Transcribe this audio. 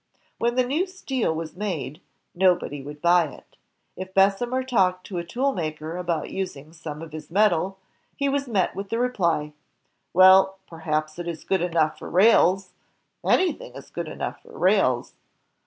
When the new steel was made, nobody would buy it. If Bessemer talked to a toolmaker about using some of BLAST FDRNACE HENRY BESSEMER 183 his metal, he was met with the reply, "Well, perhaps it is good enough for rails; anything is good enough for rails."